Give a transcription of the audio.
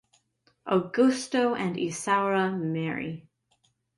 Augusto and Isaura marry.